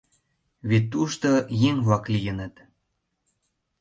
Вет тушто еҥ-влак лийыныт!